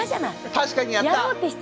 確かにやった。